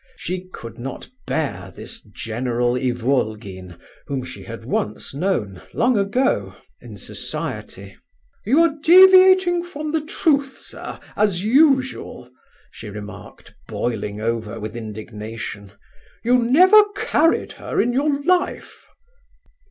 She could not bear this General Ivolgin whom she had once known, long ago—in society. "You are deviating from the truth, sir, as usual!" she remarked, boiling over with indignation; "you never carried her in your life!"